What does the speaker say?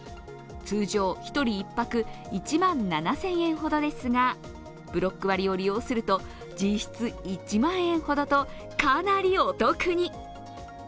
通常１人１泊１万７０００円ほどですがブロック割を利用すると実質１万円ほどと、かなりお得に。